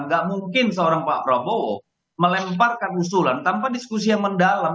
gak mungkin seorang pak prabowo melemparkan usulan tanpa diskusi yang mendalam